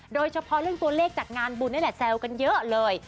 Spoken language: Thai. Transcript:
โดยเฉพาะเรื่องตัวเลขจากงานบุญนี่แหละแซวกันเยอะเลย